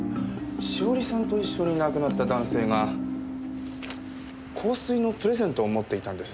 栞さんと一緒に亡くなった男性が香水のプレゼントを持っていたんですね。